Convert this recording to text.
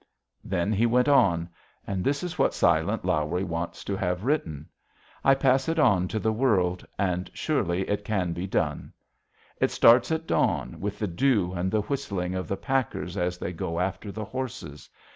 Then he went on, and this is what "Silent Lawrie" wants to have written. I pass it on to the world, and surely it can be done. It starts at dawn, with the dew, and the whistling of the packers as they go after the horses.